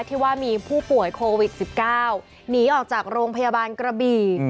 ที่ว่ามีผู้ป่วยโควิด๑๙หนีออกจากโรงพยาบาลกระบี่